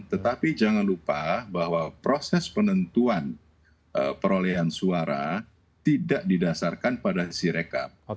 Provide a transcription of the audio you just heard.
tetapi jangan lupa bahwa proses penentuan perolehan suara tidak didasarkan pada sirekap